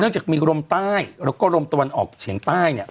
จากมีโรมใต้และตะวันอกอยู่เทียงใต้